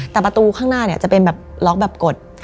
แต่ประตูข้างหน้าจะเป็นล็อกแบบกด